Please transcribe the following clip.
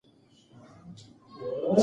که مادي ژبه وي، نو استعداد کم وي.